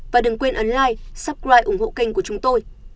và đừng quên ấn like subscribe ủng hộ kênh của chúng tôi